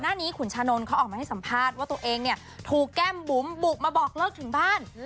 หน้านี้ขุนชานนท์เขาออกมาให้สัมภาษณ์ว่าตัวเองเนี่ยถูกแก้มบุ๋มบุกมาบอกเลิกถึงบ้าน